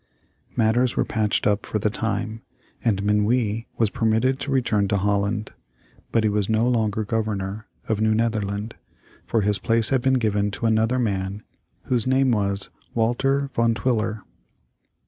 Matters were patched up for the time, and Minuit was permitted to return to Holland. But he was no longer Governor of New Netherland, for his place had been given to another man whose name was Walter Van Twiller.